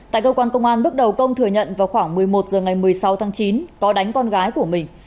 tại cơ quan công an bước đầu công thừa nhận vào khoảng một mươi một h ngày một mươi sáu tháng chín có đánh con gái của mình